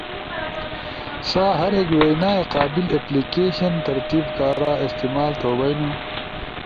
سا ہر ایک وینائی قابل اپلیکیشن ترتیب کارا استعمال تھو بئینو۔